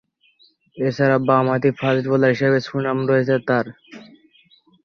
এছাড়াও বামহাতি fast bowler হিসেবে সুনাম রয়েছে তার।